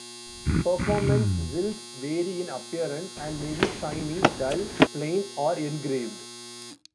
Performance zills vary in appearance and may be shiny, dull, plain or engraved.